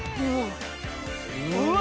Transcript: うわ！